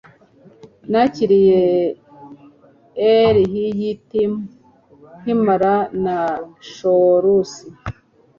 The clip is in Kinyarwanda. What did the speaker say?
nakiriye rhythm nkibara na chorus